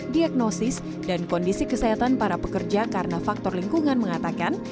diagnosis dan kondisi kesehatan para pekerja karena faktor lingkungan mengatakan